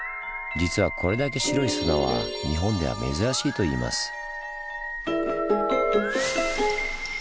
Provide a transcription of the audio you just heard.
実はこれだけ白い砂は日本では珍しいといいます。